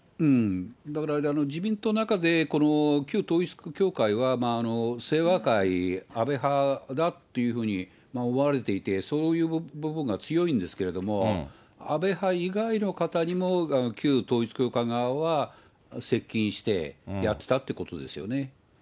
だから、自民党の中で旧統一教会はせいわ会、安倍派だというふうに思われていて、そういう部分が強いんですけれども、安倍派以外の方にも旧統一教会側は接近してやってたってことです